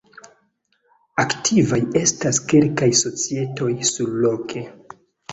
Aktivaj estas kelkaj societoj surloke.